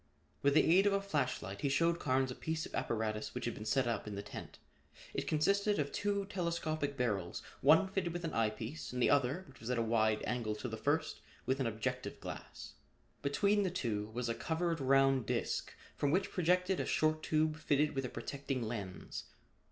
With the aid of a flash light he showed Carnes a piece of apparatus which had been set up in the tent. It consisted of two telescopic barrels, one fitted with an eye piece and the other, which was at a wide angle to the first, with an objective glass. Between the two was a covered round disc from which projected a short tube fitted with a protecting lens.